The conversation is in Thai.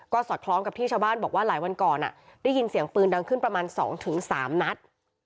สอดคล้องกับที่ชาวบ้านบอกว่าหลายวันก่อนได้ยินเสียงปืนดังขึ้นประมาณ๒๓นัด